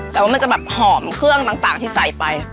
แต่ว่ามันจะแบบหอมเครื่องต่างที่ใส่ไป